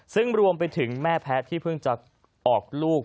ซึ่งรวมไปถึงแม่แพ้ที่เพิ่งจะออกลูก